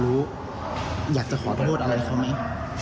อยากจะขอโทษอะไรเขาไหม